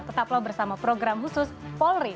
tetaplah bersama program khusus polri